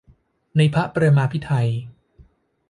ในพระปรมาภิไธย